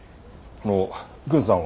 あの郡さんは？